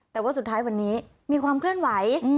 แต่ว่าสุดท้ายวันนี้มีความเคลื่อนไหว